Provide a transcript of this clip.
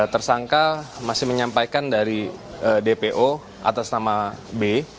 tersangka masih menyampaikan dari dpo atas nama b